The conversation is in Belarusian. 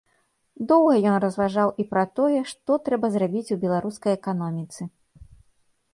Доўга ён разважаў і пра тое, што трэба зрабіць у беларускай эканоміцы.